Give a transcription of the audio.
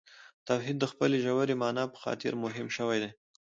توحید د خپلې ژورې معنا په خاطر مهم شوی دی.